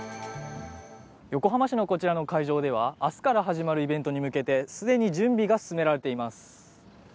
横浜市のこちらの会場では明日から始まるイベントに向けて既に準備が進められています。